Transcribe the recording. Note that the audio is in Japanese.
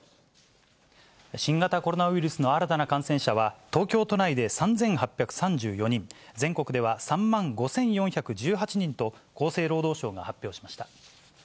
新型コロナウイルスの新たな感染者は、東京都内で３８３４人、全国では３万５４１８人と、厚生労働省が発表しました。